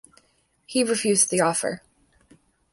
He refused the offer.